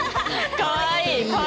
かわいい。